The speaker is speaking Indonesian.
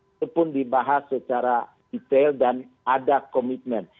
itu pun dibahas secara detail dan ada komitmen